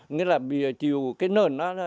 nghĩa là bìa chiều cái nền đó